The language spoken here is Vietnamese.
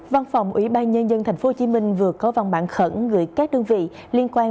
văn phòng ủy ban nhân dân tp hcm vừa có văn bản khẩn gửi các đơn vị liên quan